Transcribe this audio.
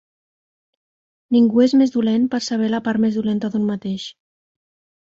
Ningú és més dolent per saber la part més dolenta d'un mateix.